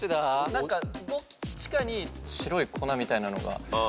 何かどっちかに白い粉みたいなのが入ってて。